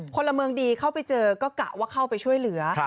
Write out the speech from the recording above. พลเมืองดีเข้าไปเจอก็กะว่าเข้าไปช่วยเหลือ